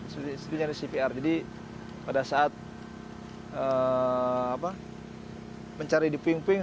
seperti nyari cvr jadi pada saat mencari di puing puing